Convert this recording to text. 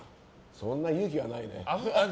そんな勇気はないね。